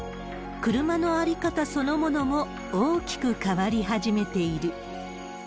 車の在り方そのものも大きく変わり始めている。